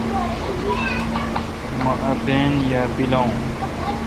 مہ اپین یا پیلاوین۔